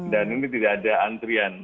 dan ini tidak ada antrian